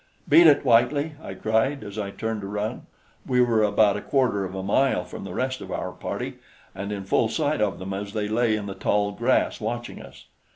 "Beat it, Whitely!" I cried as I turned to run. We were about a quarter of a mile from the rest of our party, and in full sight of them as they lay in the tall grass watching us.